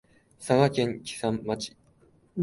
佐賀県基山町